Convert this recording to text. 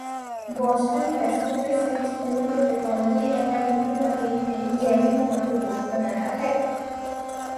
Boston Massachusetts Institute of Technology M I T کے ماہرین نے jelly نما روبوٹ بنایا ہے